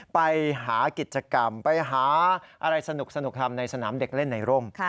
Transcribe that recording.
ไปหากิจกรรมไปหาอะไรสนุกทำในสนามเด็กเล่นในร่ม